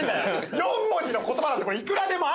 ４文字の言葉なんていくらでもあんの！